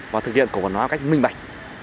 và thực hiện cổ phần hóa cách minh bạch